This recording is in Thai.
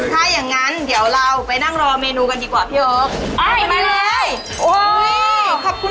ถ้าอย่างงั้นเดี๋ยวเราไปนั่งรอเมนูกันดีกว่าพี่โอ๊ค